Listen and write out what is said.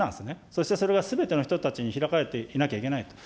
そしてそれがすべての人たちに開かれていなきゃいけないんです。